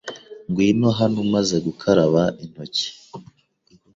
Ngwino hano umaze gukaraba intoki.